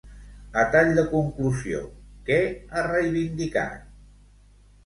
A tall de conclusió, què ha reivindicat?